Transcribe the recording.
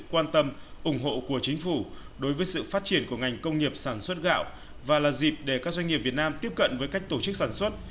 quan tâm ủng hộ của chính phủ đối với sự phát triển của ngành công nghiệp sản xuất gạo và là dịp để các doanh nghiệp việt nam tiếp cận với cách tổ chức sản xuất